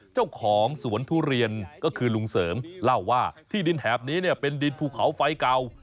เจ้าของสวนทุเรียนก็คือลุงเสริมเล่าว่าที่ดินแถบนี้เป็นดินภูเขาไฟเก่า